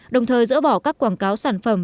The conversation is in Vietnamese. đồng thời dỡ bỏ các quảng cáo sản phẩm